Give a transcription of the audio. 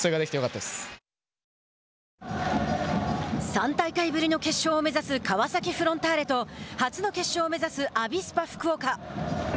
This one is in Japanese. ３大会ぶりの決勝を目指す川崎フロンターレと初の決勝を目指すアビスパ福岡。